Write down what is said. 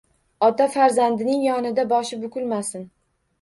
Ota farzandining yonida boshi bukilmasin.